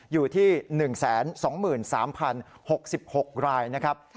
อยู่ที่๑๒๓๐๖๖รายนะครับ